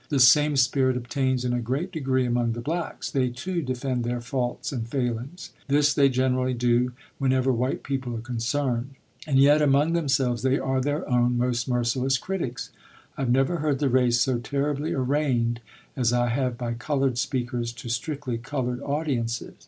This same spirit obtains in a great degree among the blacks; they, too, defend their faults and failings. This they generally do whenever white people are concerned. And yet among themselves they are their own most merciless critics. I have never heard the race so terribly arraigned as I have by colored speakers to strictly colored audiences.